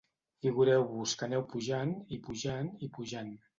Figureu-vos que aneu pujant, i pujant, i pujant